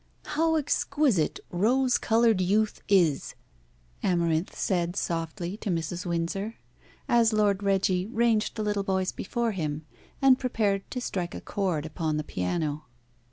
"How exquisite rose coloured youth is," Amarinth said softly to Mrs. Windsor, as Lord Reggie ranged the little boys before him, and prepared to strike a chord upon the piano.